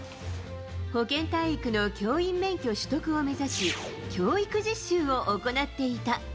保健体育の教員免許取得を目指し、教育実習を行っていた。